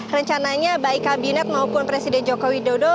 rencananya baik kabinet maupun presiden joko widodo